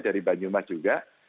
dari banyumas juga